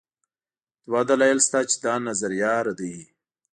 دوه دلایل شته چې دا نظریه ردوي.